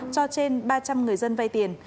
cho trên ba trăm linh người dân vay tiền